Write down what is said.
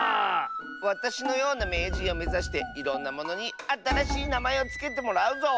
わたしのようなめいじんをめざしていろんなものにあたらしいなまえをつけてもらうぞ。